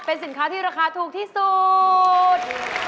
เป็นสินค้าที่ราคาถูกที่สุด